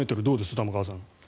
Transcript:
玉川さん。